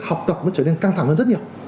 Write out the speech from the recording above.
học tập nó trở nên căng thẳng hơn rất nhiều